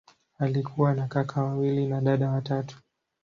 Alikuwa na kaka wawili na dada watatu.